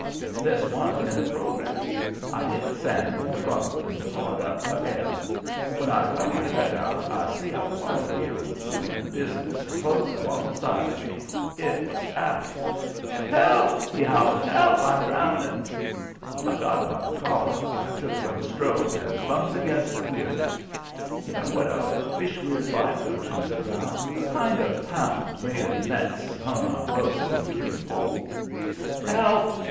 "This wa'n't in the program. I hit sand with a bump and pawed up for air. When I got my head out I see a water wheel doing business close along side of me. It was Allie. "'Help!' he howls. 'Help! I'm drowning!' "I got him by the collar, took one stroke and bumped against the weir nets. You know what a fish weir's like, don't you, Mr. Brown? a kind of pound, made of nets hung on ropes between poles. "'Help!'